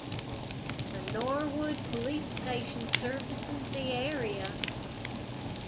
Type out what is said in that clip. The Norwood Police Station, services the area.